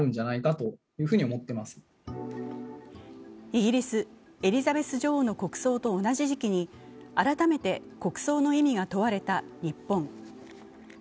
イギリス・エリザベス女王の国葬と同じ時期に改めて国葬の意味が問われた日本。